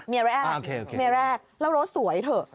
แรกเมียแรกแล้วรถสวยเถอะ